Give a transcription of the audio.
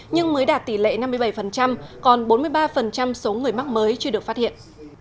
nhưng mới đạt tỷ lệ năm mươi bảy còn bốn mươi ba số người mắc mới chưa được phát hiện